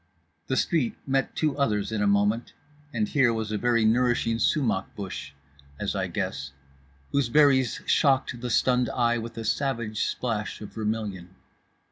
The street met two others in a moment, and here was a very flourishing sumach bush (as I guess) whose berries shocked the stunned eye with a savage splash of vermilion.